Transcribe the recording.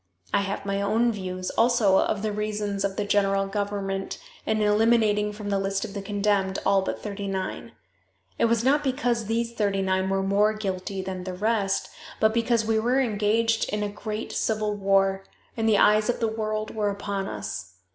I have my own views, also, of the reasons of the general government in eliminating from the list of the condemned all but thirty nine. It was not because these thirty nine were more guilty than the rest, but because we were engaged in a great civil war, and the eyes of the world were upon us.